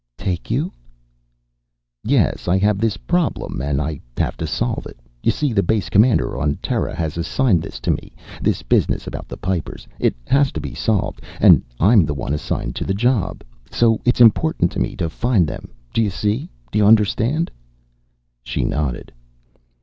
"Take you?" "Yes. I have this problem and I have to solve it. You see, the Base Commander on Terra has assigned this to me, this business about the Pipers. It has to be solved. And I'm the one assigned to the job. So it's important to me to find them. Do you see? Do you understand?" She nodded.